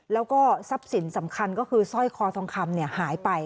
แล้วก็ทรัพย์สินสำคัญก็คือสร้อยคอทองคำหายไป